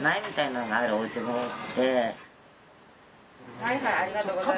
はいはいありがとうございます。